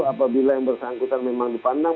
apabila yang bersangkutan memang dipandang